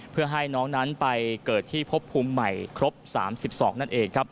เพื่อให้น้องนั้นไปเกิดที่พบภูมิใหม่ครบ๓๒นั่นเองครับ